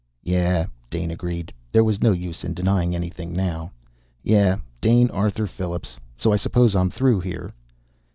"Yeah," Dane agreed. There was no use in denying anything now. "Yeah, Dane Arthur Phillips. So I suppose I'm through here?"